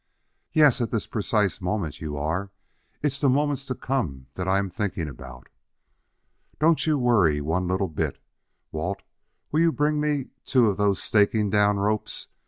"Yes, at this precise moment you are. It's the moments to come that I am thinking about." "Don't you worry one little bit. Walt, will you bring me two of those staking down ropes?